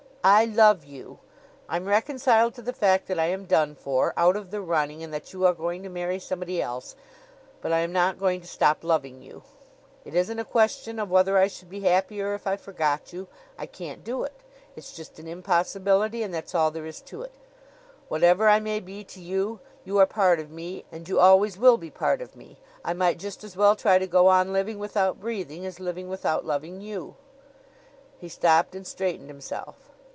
I love you! I'm reconciled to the fact that I am done for, out of the running, and that you are going to marry somebody else; but I am not going to stop loving you. "It isn't a question of whether I should be happier if I forgot you. I can't do it. It's just an impossibility and that's all there is to it. Whatever I may be to you, you are part of me, and you always will be part of me. I might just as well try to go on living without breathing as living without loving you." He stopped and straightened himself.